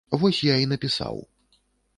Вось я і напісаў.